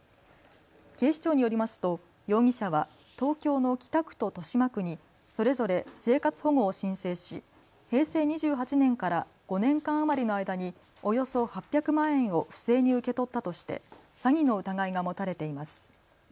警視庁によりますと容疑者は東京の北区と豊島区にそれぞれ生活保護を申請し平成２８年から５年間余りの間におよそ８００万円を不正に受け取ったとして詐欺の疑いが持たれています。